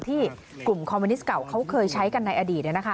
ที่กลุ่มคอมมิวนิสต์เก่าเขาเคยใช้กันในอดีต